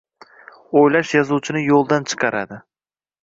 O’ylash yozuvchini yo’ldan chiqaradi.